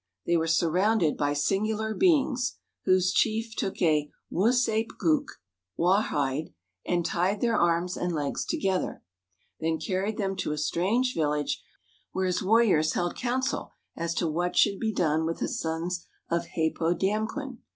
They were surrounded by singular beings, whose chief took a "wūs āp gūk" (rawhide), and tied their arms and legs together, then carried them to a strange village, where his warriors held council as to what should be done with the sons of Hāpōdāmquen.